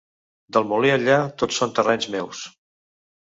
Del molí enllà tot són terrenys meus.